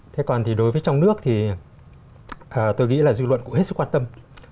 thế còn thì đối với trong nước thì tôi nghĩ là dư luận cũng hết sức quan tâm